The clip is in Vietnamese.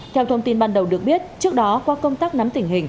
theo thông tin ban đầu được biết trước đó qua công tác nắm tỉnh